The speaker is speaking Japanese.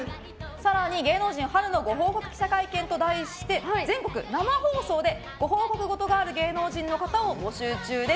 更に、芸能人春のご報告記者会見と題して全国生放送でご報告ごとがある芸能人の方を募集中です。